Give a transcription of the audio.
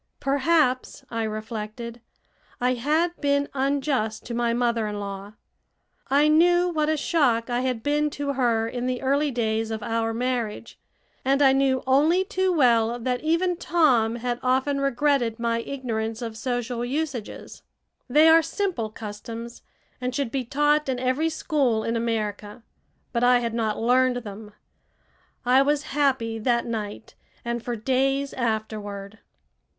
Perhaps, I reflected, I had been unjust to my mother in law. I knew what a shock I had been to her in the early days of our marriage, and I knew only too well that even Tom had often regretted my ignorance of social usages. They are simple customs, and should be taught in every school in America, but I had not learned them. I was happy that night and for days afterward.